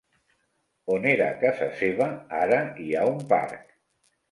On era casa seva, ara hi ha un parc.